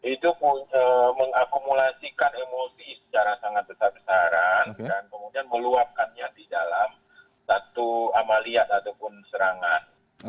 itu mengakumulasikan emosi secara sangat besar besaran dan kemudian meluapkannya di dalam satu amaliat ataupun serangan